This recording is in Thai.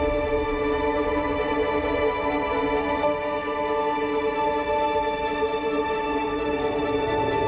พาคุณผู้ชมไปติดตามบรรยากาศกันที่วัดอรุณราชวรรมมหาวิหารค่ะ